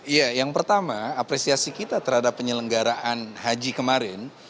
iya yang pertama apresiasi kita terhadap penyelenggaraan haji kemarin